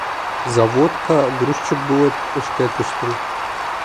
Заводҡа грузчик булып эшкә төштөм.